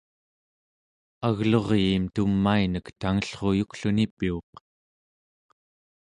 agluruyiim tumainek tangellruyukluni piuq